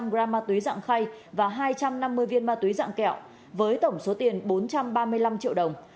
một trăm linh gram ma túy dạng khay và hai trăm năm mươi viên ma túy dạng kẹo với tổng số tiền bốn trăm ba mươi năm triệu đồng